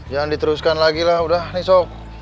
jangan diteruskan lagi lah udah nih sok